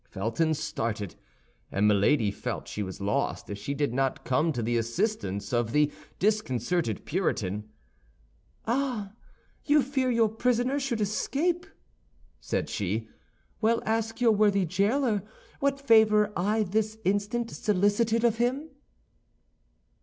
Felton started; and Milady felt she was lost if she did not come to the assistance of the disconcerted Puritan. "Ah, you fear your prisoner should escape!" said she. "Well, ask your worthy jailer what favor I this instant solicited of him."